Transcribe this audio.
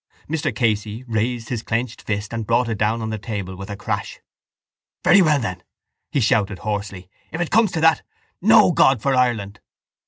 Mr Casey raised his clenched fist and brought it down on the table with a crash. —Very well then, he shouted hoarsely, if it comes to that, no God for Ireland!